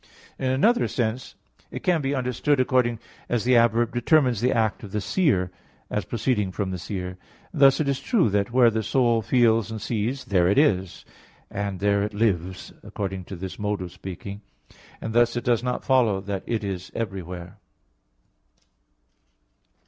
In another sense it can be understood according as the adverb determines the act of the seer, as proceeding from the seer; and thus it is true that where the soul feels and sees, there it is, and there it lives according to this mode of speaking; and thus it does not follow that it is everywhere.